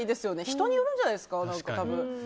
人によるんじゃないですか？